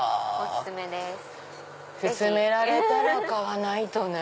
薦められたら買わないとね。